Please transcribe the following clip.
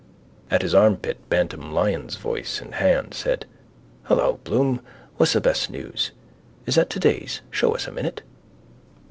At his armpit Bantam Lyons' voice and hand said: —Hello, Bloom. What's the best news? Is that today's? Show us a minute.